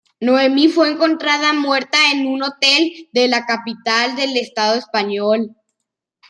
Noemí fue encontrada muerta en un hotel de la capital del estado español.